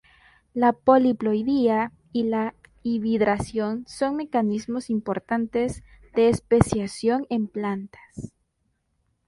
La poliploidía y la hibridación son mecanismos importantes de especiación en plantas.